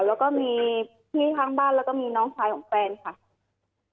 แล้วก็มีพี่ข้างบ้านแล้วก็มีน้องชายของแฟนค่ะ